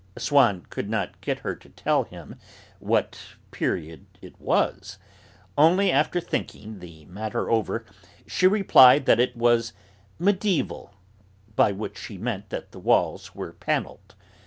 Swann could not get her to tell him what 'period' it was. Only after thinking the matter over she replied that it was 'mediaeval'; by which she meant that the walls were panelled.